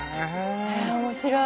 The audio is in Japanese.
面白い。